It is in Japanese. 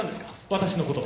私のことを。